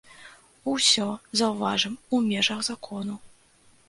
Усё, заўважым, у межах закону.